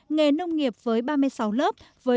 nghề nông nghiệp với ba mươi sáu lớp với hơn hai học viên